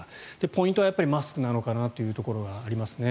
ポイントはマスクなのかなというところがありますね。